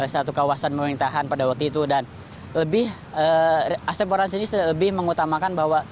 satu kawasan pemerintahan pada waktu itu dan lebih asep warlan sendiri lebih mengutamakan bahwa